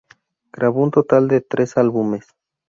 Grabó un total de tres álbumes.